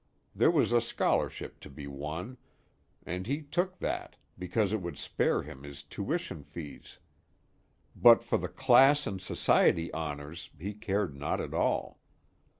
There was a scholarship to be won, and he took that, because it would spare him his tuition fees; but for the class and society "honors" he cared not at all.